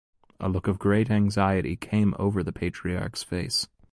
A look of great anxiety came over the patriarch’s face.